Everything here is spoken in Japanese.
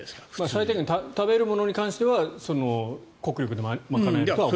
最低限食べるものに関しては国力で賄えると思います。